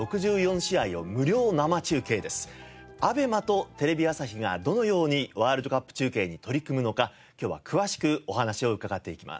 ＡＢＥＭＡとテレビ朝日がどのようにワールドカップ中継に取り組むのか今日は詳しくお話を伺っていきます。